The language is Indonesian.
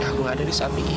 aku gak ada di samping ibu